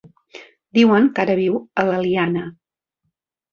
Diuen que ara viu a l'Eliana.